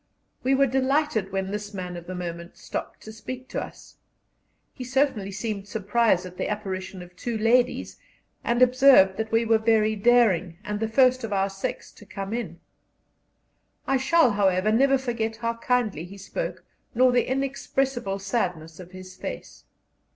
We were delighted when this man of the moment stopped to speak to us. He certainly seemed surprised at the apparition of two ladies, and observed that we were very daring, and the first of our sex to come in. I shall, however, never forget how kindly he spoke nor the inexpressible sadness of his face.